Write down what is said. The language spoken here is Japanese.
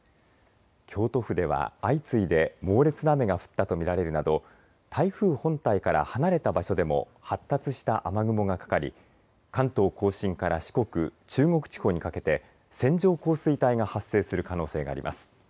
京都府では相次いで猛烈な雨が降ったと見られるなど台風本体から離れた場所でも発達した雨雲がかかり、関東甲信から四国、中国地方にかけて線状降水帯が発生する可能性があります。